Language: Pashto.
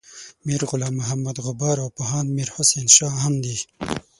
میر غلام محمد غبار او پوهاند میر حسین شاه هم دي.